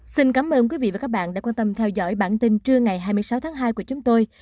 xin cảm ơn quý vị và các bạn đã quan tâm theo dõi bản tin trưa ngày hai mươi sáu tháng hai của chúng tôi